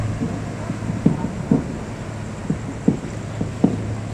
د شنو خونو پراختیا د موسمي ستونزو حل ګڼل کېږي.